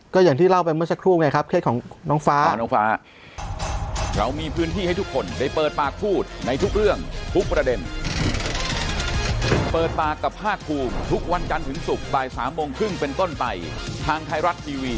ก็อย่างที่เล่าไปเมื่อสักครู่ไงครับเคสของน้องฟ้าน้องฟ้า